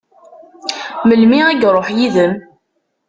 Melmi i iṛuḥ yid-m?